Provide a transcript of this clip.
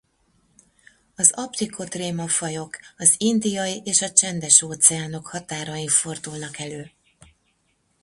Az Aptychotrema-fajok az Indiai- és a Csendes-óceánok határain fordulnak elő.